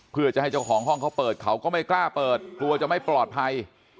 เพื่อจะให้เจ้าของห้องเขาเปิดเขาก็ไม่กล้าเปิดกลัวจะไม่ปลอดภัย